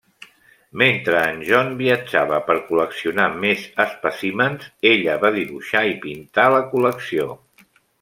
Mentre en John viatjava per col·leccionar més espècimens ella va dibuixar i pintar la col·lecció.